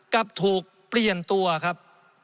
กลับถูกเปลี่ยนตัวครับ